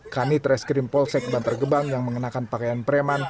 kanitreskrim polsek bantar gebang yang mengenakan pakaian preman